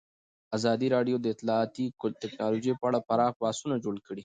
ازادي راډیو د اطلاعاتی تکنالوژي په اړه پراخ بحثونه جوړ کړي.